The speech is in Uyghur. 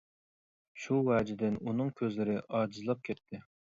شۇ ۋەجىدىن ئۇنىڭ كۆزلىرى ئاجىزلاپ كەتتى.